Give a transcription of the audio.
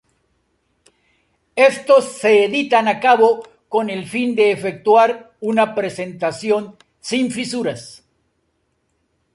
Estos se editan a cabo con el fin de efectuar una presentación sin fisuras.